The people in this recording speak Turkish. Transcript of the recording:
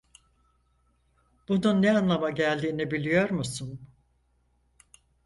Bunun ne anlama geldiğini biliyor musun?